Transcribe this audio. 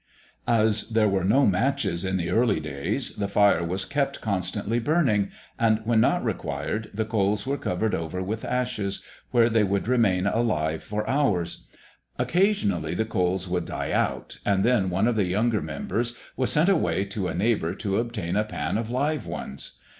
] As there were no matches in the early days, the fire was kept constantly burning, and when not required the coals were covered over with ashes, where they would remain alive for hours. Occasionally the coals would die out and then one of the younger members was sent away to a neighbour to obtain a pan of live ones.